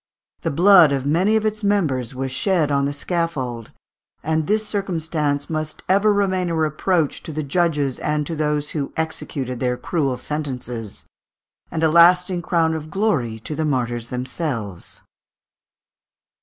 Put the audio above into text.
The blood of many of its members was shed on the scaffold, and this circumstance must ever remain a reproach to the judges and to those who executed their cruel sentences, and a lasting crown of glory to the martyrs themselves.